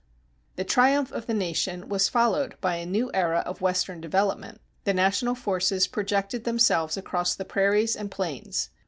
The triumph of the nation was followed by a new era of Western development. The national forces projected themselves across the prairies and plains.